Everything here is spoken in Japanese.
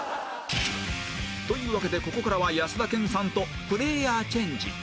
というわけでここからは安田顕さんとプレイヤーチェンジ